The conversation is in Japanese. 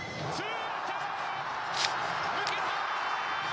抜けた！